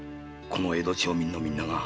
この江戸の町民がみんな。